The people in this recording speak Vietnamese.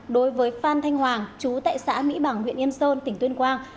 đối với phan thanh hoàng chú tại xã mỹ bằng huyện yên sơn tỉnh tuyên quang